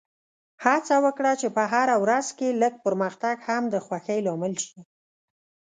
هڅه وکړه چې په هره ورځ کې لږ پرمختګ هم د خوښۍ لامل شي.